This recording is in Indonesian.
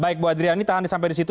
baik bu adriani tahan sampai di situ